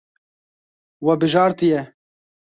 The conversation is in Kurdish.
We bijartiye.